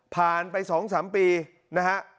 ผ่านไป๒๓ปีนะฮะ